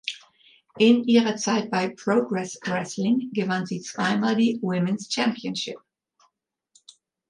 In ihrer Zeit bei Progress Wrestling gewann sie zwei mal die Women’s Championship.